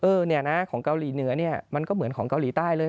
เนี่ยนะของเกาหลีเหนือเนี่ยมันก็เหมือนของเกาหลีใต้เลย